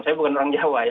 saya bukan orang jawa ya